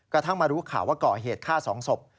กระทั่งมารู้ข่าวว่าก่อเหตุฆ่า๒ศพ